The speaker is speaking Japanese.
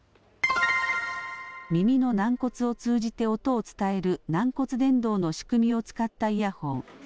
耳の軟骨を通じて音を伝える軟骨伝導の仕組みを使ったイヤホン。